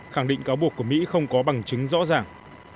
khẳng định cáo buộc của mỹ không có bằng chứng rõ ràng